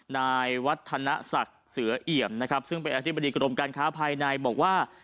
นายวัฒนศักดิ์เสือเอี่ยมนะครับซึ่งเป็นอธิบดีกรมการค้าภายในบอกว่า